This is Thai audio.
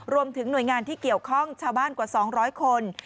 รวมถึงหน่วยงานที่เกี่ยวข้องชาวบ้านกว่า๒๐๐คน